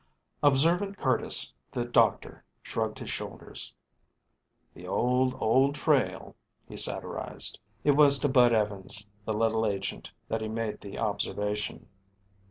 Observant Curtis, the doctor, shrugged his shoulders. "The old, old trail," he satirized. It was to Bud Evans, the little agent, that he made the observation.